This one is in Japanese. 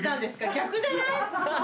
逆じゃない？